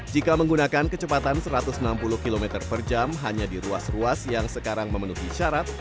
jika menggunakan kecepatan satu ratus enam puluh km per jam hanya di ruas ruas yang sekarang memenuhi syarat